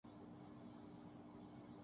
کیا اسے بے نقاب کرنا جرم ہے؟